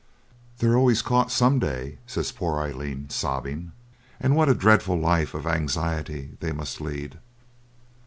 'They're always caught some day,' says poor Aileen, sobbing, 'and what a dreadful life of anxiety they must lead!'